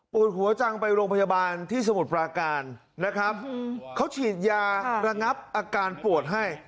ปลูกหัวจังไปโรงพยาบาลที่สมุทรปลาการเขาฉีดยาระงับอาการโปรดให้